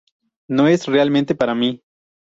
No es realmente para mí".